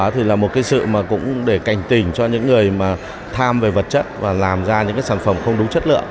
thì là một cái sự mà cũng để cảnh tình cho những người mà tham về vật chất và làm ra những cái sản phẩm không đúng chất lượng